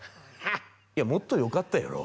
「いやもっとよかったやろ」